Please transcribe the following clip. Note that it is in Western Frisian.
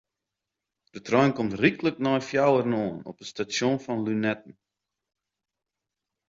De trein komt ryklik nei fjouweren oan op it stasjon fan Lunetten.